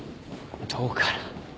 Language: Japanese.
どうかな。